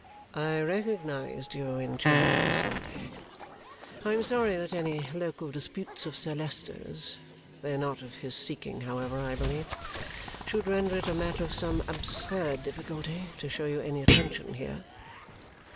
"I recognized you in church on Sunday. I am sorry that any local disputes of Sir Leicester's they are not of his seeking, however, I believe should render it a matter of some absurd difficulty to show you any attention here."